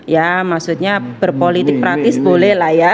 ya maksudnya berpolitik praktis boleh lah ya